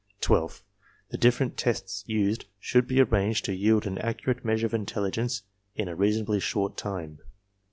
Twelfth, the different tests used should be arranged to yield an accurate measure of intelligence in a reasonably short time.